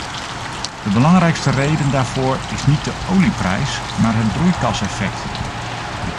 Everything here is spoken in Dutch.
De belangrijkste reden daarvoor is niet de olieprijs, maar het broeikaseffect.